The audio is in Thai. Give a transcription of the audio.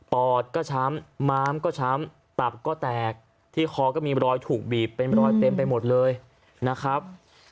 อดก็ช้ำม้ามก็ช้ำตับก็แตกที่คอก็มีรอยถูกบีบเป็นรอยเต็มไปหมดเลยนะครับ